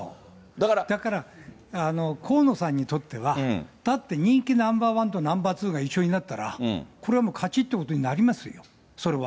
だから、河野さんにとってはだって人気ナンバー１とナンバー２が一緒になったら、これはもう勝ちっていうことになりますよね、それは。